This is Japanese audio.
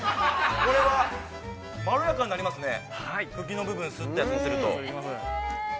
これは、まろやかになりますね、茎の部分擦ったやつをのせると。